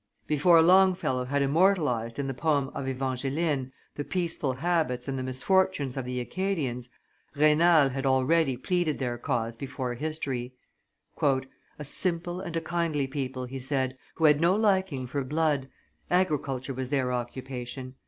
Before Longfellow had immortalized, in the poem of Evangeline, the peaceful habits and the misfortunes of the Acadians, Raynal had already pleaded their cause before history. "A simple and a kindly people," he said, "who had no liking for blood, agriculture was their occupation.